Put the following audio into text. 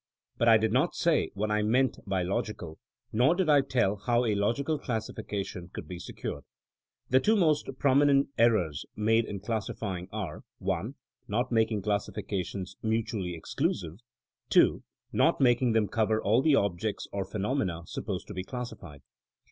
But I did not say what I meant by logical, nor did I tell how a logical classification could be secured. The two most prominent errors made in classifying are (1) not making classifi cations mutually exclusive, (2) not making them cover all the objects or phenomena supposed to be classified.